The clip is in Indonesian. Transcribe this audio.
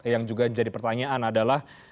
yang juga jadi pertanyaan adalah